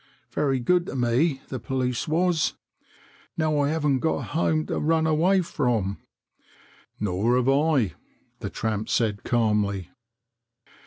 Very good to me, the police was. Now I haven't got a home to run away from." " Nor have I," the tramp said calmly.